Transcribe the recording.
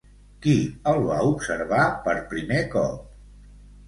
Qui el va observar per primer cop?